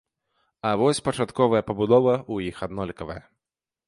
А вось пачатковая пабудова ў іх аднолькавая.